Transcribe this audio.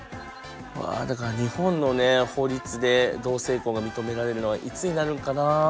うわだから日本の法律で同性婚が認められるのはいつになるんかな。